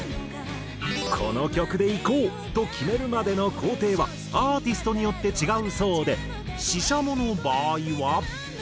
この曲でいこう！と決めるまでの工程はアーティストによって違うそうでＳＨＩＳＨＡＭＯの場合は。